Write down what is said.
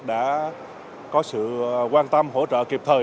đã có sự quan tâm hỗ trợ kịp thời